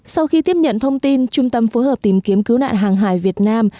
sau khi tiếp nhận thông tin trung tâm phối hợp tìm kiếm cứu nạn hàng hải việt nam